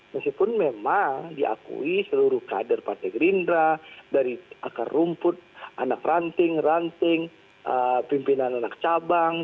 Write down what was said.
meskipun memang diakui seluruh kader partai gerindra dari akar rumput anak ranting ranting pimpinan anak cabang